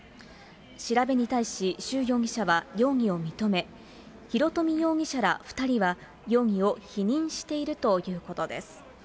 調べに対し、周容疑者は容疑を認め、広冨容疑者ら２人は、容疑を否認しているということです。